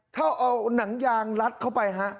ถ้าเอานางยางรัดเข้าไป